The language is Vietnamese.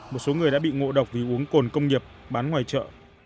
một số người đã bị ngộ độc vì uống cồn công nghiệp bán ngoài chợ